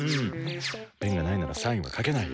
ペンがないならサインはかけないよ。